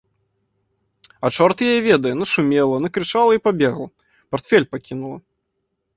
А чорт яе ведае, нашумела, накрычала і пабегла, партфель пакінула.